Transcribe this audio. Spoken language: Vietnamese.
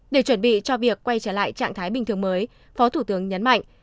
để chuẩn bị cho việc quay trở lại trạng thái bình thường mới phó thủ tướng nhấn mạnh